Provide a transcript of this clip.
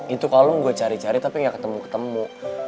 itu kalung gue cari cari tapi gak ketemu ketemu